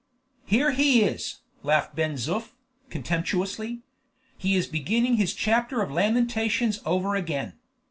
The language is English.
"Here he is!" laughed Ben Zoof, contemptuously; "he is beginning his chapter of lamentations over again.